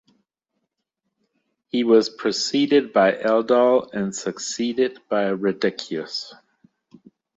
He was preceded by Eldol and succeeded by Redechius.